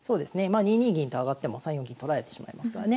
まあ２二銀と上がっても３四銀取られてしまいますからね